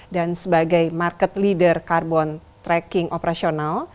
dan sebagai market leader carbon tracking operational